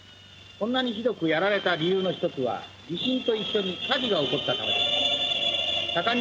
こんなにひどくやられた理由の１つは地震と一緒に火事が起こったからです。